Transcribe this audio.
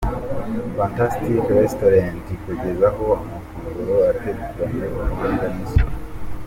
Fantastic Restaurant ikugezaho amafunguro ateguranye ubuhanga n'isuku.